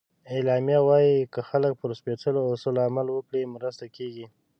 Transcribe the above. اعلامیه وایي که خلک پر سپیڅلو اصولو عمل وکړي، مرسته کېږي.